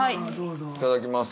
いただきます。